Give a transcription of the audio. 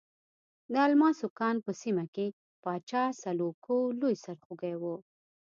د الماسو کان په سیمه کې پاچا سلوکو لوی سرخوږی وو.